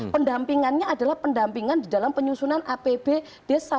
pendampingannya adalah pendampingan di dalam penyusunan apb desa